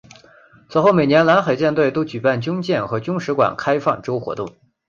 此后每年南海舰队都举办军舰和军史馆开放周活动。